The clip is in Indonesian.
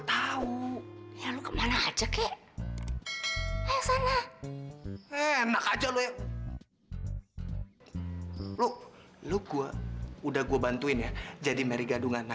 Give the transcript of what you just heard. tahu ya lu kemana aja kek hai sana enak aja lo ya lu lu gua udah gue bantuin ya jadi merry gadungan